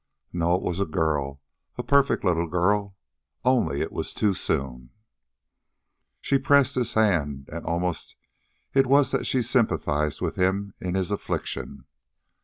"No; it was a girl. A perfect little girl. Only... it was too soon." She pressed his hand, and almost it was she that sympathized with him in his affliction.